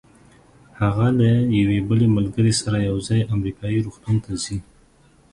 هغه له یوې بلې ملګرې سره یو ځای امریکایي روغتون ته ځي.